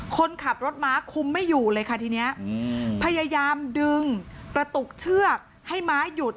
คนขับรถม้าคุมไม่อยู่เลยค่ะทีนี้พยายามดึงกระตุกเชือกให้ม้าหยุด